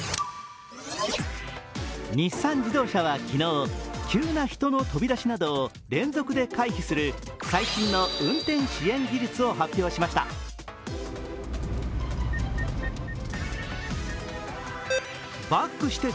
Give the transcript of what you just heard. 日産自動車は昨日急な人の飛び出しなどを連続で回避する最新の運転支援技術を発表しました。